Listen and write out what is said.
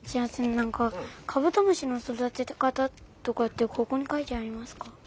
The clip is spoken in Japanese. なんかカブトムシのそだてかたとかってここにかいてありますか？